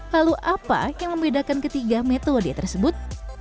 lalu apa yang membedakan ketiga metode tersebut